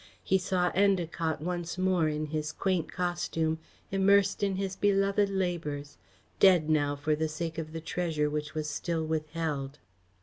He saw Endacott once more in his quaint costume, immersed in his beloved labours dead now, for the sake of the treasure which was still withheld.